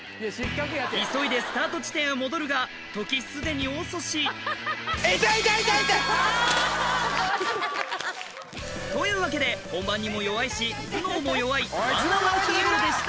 急いでスタート地点へ戻るが時既に遅し痛い痛い！というわけで本番にも弱いし頭脳も弱い１ｈｏｕｒヒーローでした